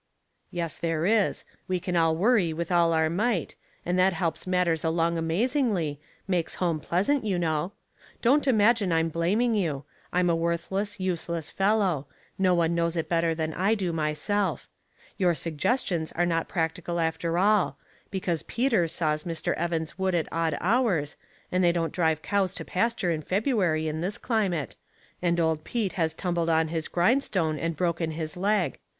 '* Yes, there is ; we can all worry with all our might, and that helps matters along amazingly, makes home pleasant, you know. Don't imagine I'm blaming you. I'm a worthless, useless fel low ; no one knows it better than I do mj^self. Your suggestions are not practical after all, be cause Peter saws Mr. Evafis' wood at odd hours, and they don't drive cows to pasture in February in this climate, and old Pete has tumbled on his grindstone and broken his leg.